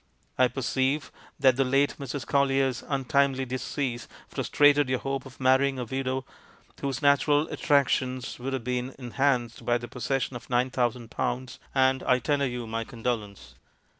I perceive that the late Mrs. Collier's untimely de cease frustrated your hope of marrying a widow whose natural attractions would have been en hanced by the possession of nine thousand pounds, and I tender you my condolence.